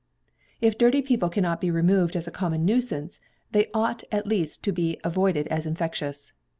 If dirty people cannot be removed as a common nuisance, they ought at least to be avoided as infectious.